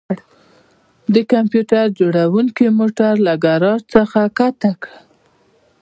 د کمپیوټر جوړونکي موټر له ګراج څخه ښکته کړ